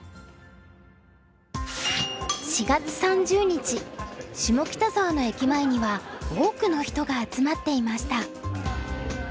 ４月３０日下北沢の駅前には多くの人が集まっていました。